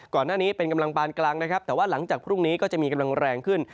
ก่อนหน้านี้เป็นกำลังปานกลางนะครับแต่ว่าหลังจากพรุ่งนี้ก็จะมีกำลังแรงขึ้น